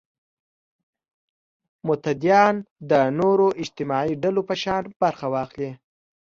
متدینان د نورو اجتماعي ډلو په شان برخه واخلي.